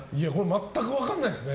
全く分からないですね。